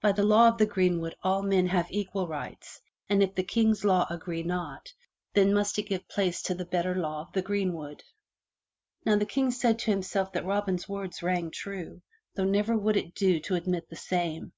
By the law of the greenwood all men have equal rights and if the King's law agree not, then must it give place to the better law of the greenwood." Now the King said to himself that Robin's words rang true, though never would it do to admit the same.